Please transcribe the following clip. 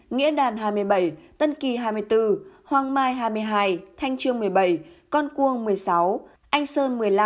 nghĩa đàn hai mươi bảy tân kỳ hai mươi bốn hoàng mai hai mươi hai thanh trương một mươi bảy con cuông một mươi sáu anh sơn một mươi năm